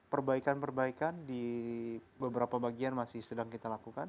perbaikan perbaikan di beberapa bagian masih sedang kita lakukan